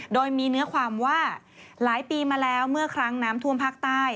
โดยมีเนื้อความว่าหลายปีมาแล้วเมื่อครั้งน้ำท่วมภาคใต้